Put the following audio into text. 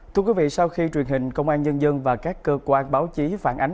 thưa quý vị sau khi truyền hình công an nhân dân và các cơ quan báo chí phản ánh